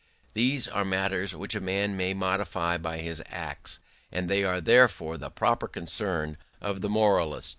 These are matters which a man may modify by his acts and they are therefore the proper concern of the moralist.